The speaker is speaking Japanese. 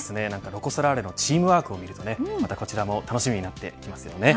ロコ・ソラーレのチームワークを見るとこちらも楽しみになってきますよね。